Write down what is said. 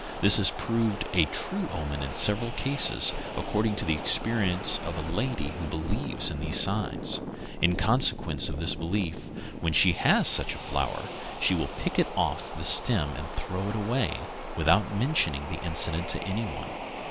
This has proved a true omen in several cases, according to the experience of a lady who believes in these signs. In consequence of this belief, when she has such a a flower, she will pick it off the stem and throw it away, without mentioning the incident to any one.